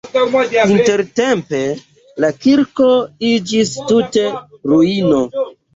Intertempe la kirko iĝis tute ruino.